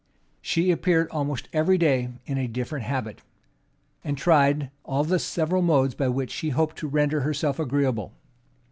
She appeared almost every day in a different habit; and tried all the several modes by which she hoped to render herself agreeable.